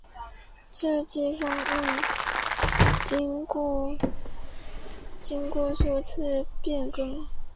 设计方案经过数次变更。